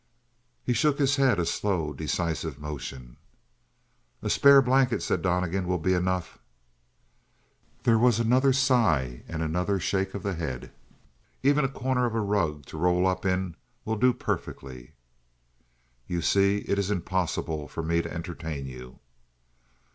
He shook his head, a slow, decisive motion. "A spare blanket," said Donnegan, "will be enough." There was another sigh and another shake of the head. "Even a corner of a rug to roll up in will do perfectly." "You see, it is impossible for me to entertain you."